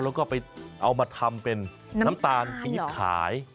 แล้วก็ไปเอามาทำเป็นน้ำตาลสีขาย